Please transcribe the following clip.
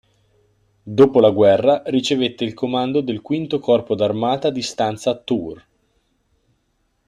Dopo la guerra ricevette il comando del V Corpo d'armata di stanza a Tours.